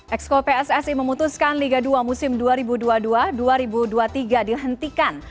exco pssi memutuskan liga dua musim dua ribu dua puluh dua dua ribu dua puluh tiga dihentikan